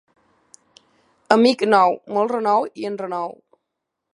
Amic nou, molt renou i enrenou.